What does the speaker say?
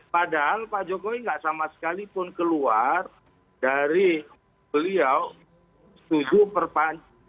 padahal pak jokowi tidak sama sekali pun keluar dari beliau tujuh perpanjangan